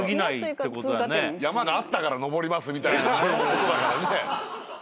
「山があったから登ります」みたいなことだからね。